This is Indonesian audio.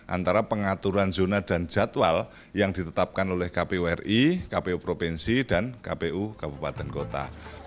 antara pengaturan zona dan jadwal yang ditetapkan oleh kpu ri kpu provinsi dan kpu kabupaten kota